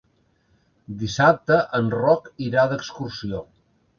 Dissabte en Roc irà d'excursió.